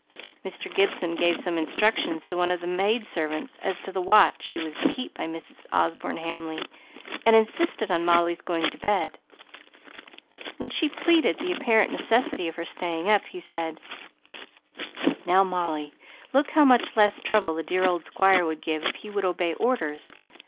Mr. Gibson gave some instructions to one of the maid servants as to the watch she was to keep by Mrs. Osborne Hamley, and insisted on Molly's going to bed. When she pleaded the apparent necessity of her staying up, he said, "Now, Molly, look how much less trouble the dear old Squire would give if he would obey orders.